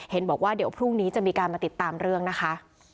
เห็นบอกว่าเดี๋ยวพรุ่งนี้จะมีการมาติดตามเรื่องนะคะ